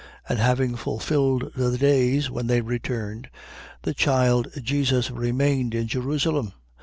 And having fulfilled the days, when they returned, the child Jesus remained in Jerusalem.